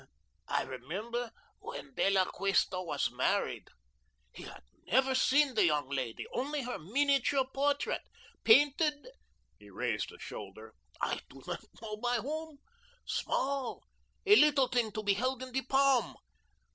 I remember when De La Cuesta was married. He had never seen the young lady, only her miniature portrait, painted" he raised a shoulder "I do not know by whom, small, a little thing to be held in the palm.